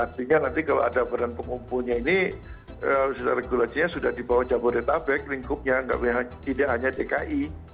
artinya nanti kalau ada badan pengumpulnya ini regulasinya sudah di bawah jabodetabek lingkupnya tidak hanya dki